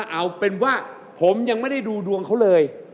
เอาเป็นว่าผมยังไม่ได้ดูดวงเขาเลย